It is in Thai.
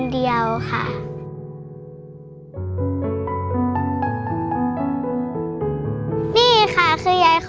แล้วหนูก็บอกว่าไม่เป็นไรห้าว่างมาหาหนูบ้างนะคะ